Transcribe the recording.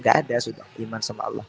gak ada sudah iman sama allah